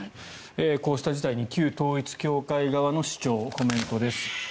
こうした事態に旧統一教会側の主張コメントです。